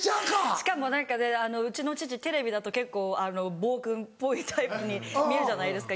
しかも何かうちの父テレビだと結構暴君っぽいタイプに見えるじゃないですか